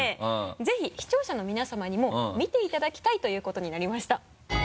ぜひ視聴者の皆さまにも見ていただきたいということになりました。